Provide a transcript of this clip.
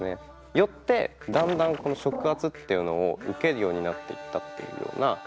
よってだんだんこの食圧っていうのを受けるようになっていったっていうようなイメージ。